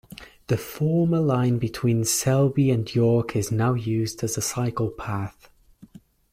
The former line between Selby and York is now used as a cycle path.